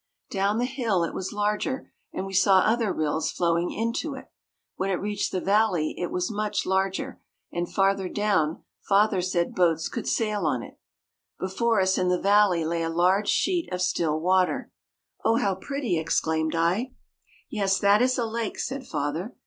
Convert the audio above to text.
Down the hill, it was larger, and we saw other rills flowing into it. When it reached the valley, it was much larger; and farther down, father said, boats could sail on it. [Illustration: "IN THE VALLEY LAY A LARGE SHEET OF STILL WATER."] Before us, in the valley, lay a large sheet of still water. "Oh, how pretty!" exclaimed I. "Yes, that is a lake," said father.